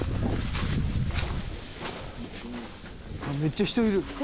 「めっちゃ人いる」